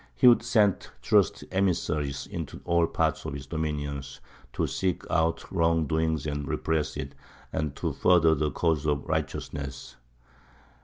He would send trusty emissaries into all parts of his dominions to seek out wrong doing and repress it, and to further the cause of righteousness.